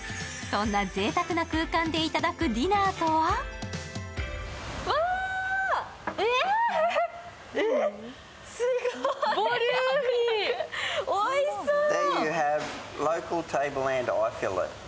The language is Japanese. そんなぜいたくな空間で頂くディナーとはおいしそう。